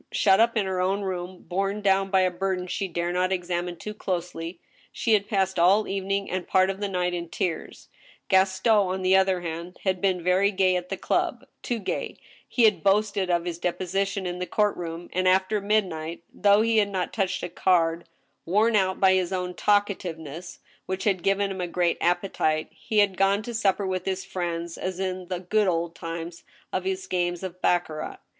Shut up in her own room, borne clown by a burden she dared not examine too closely, she had passed ail the evening and part of the night in tears. Gaston, on the other hand, had been very gay at the club — too gay ; he had boasted of his deposition in the court^room, and after midnight, though he had not touched a card, worn out by his own talkativeness which had given him a great appetite, he had gone to supper with his friends as in the good old times of his games of baccarat.